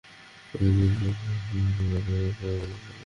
কাজেই কোনো নদী শুকিয়ে যাওয়া মানে অজস্র জীবন অচল হয়ে যাওয়া।